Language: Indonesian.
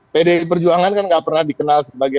pd perjuangan kan gak pernah dikenal sebagai